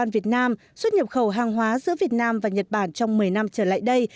việt nam xuất nhập khẩu hàng hóa giữa việt nam và nhật bản trong một mươi năm trở lại đây